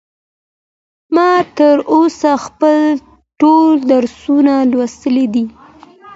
ما تر اوسه خپل ټول درسونه لوستي دي.